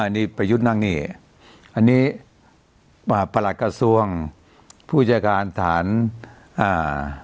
อันนี้ไปยึดนั่งเนี่ยอันนี้ผลักกระทรวงผู้จัดการทานอ่า